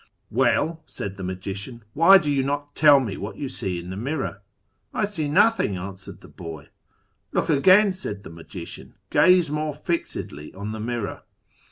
' Well,' said the magician, ' why do you not tell me what you see in the mirror ?' 'I see nothing,' answered the boy. ' Look again,' said the magician ;' gaze more fixedly on the mirror.'